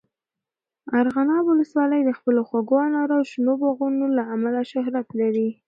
ارغنداب ولسوالۍ د خپلو خوږو انارو او شنو باغونو له امله شهرت لري.